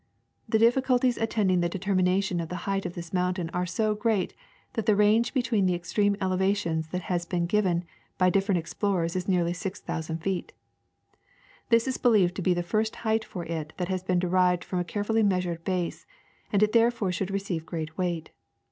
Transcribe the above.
The clifhculties attending the determination of the height of this mountain are so great that the range between the extreme elevations that have been given by different explorers is nearly 6,000 feet. This is believed to be the first height for it that has been derived from a carefully measured base, and it therefore should receive great weight.